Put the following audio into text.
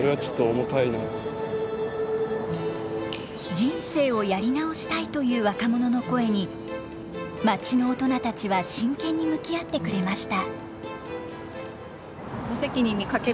人生をやり直したいという若者の声に街の大人たちは真剣に向き合ってくれました